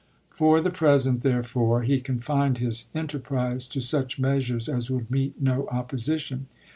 For the present, therefore, he confined his enter prise to such measures as would meet no opposi tion.